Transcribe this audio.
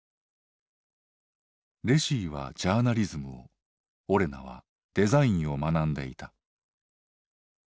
レシィはジャーナリズムをオレナはデザインを学んでいた。